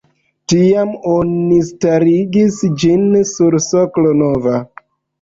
Tiam oni starigis ĝin sur soklo nova.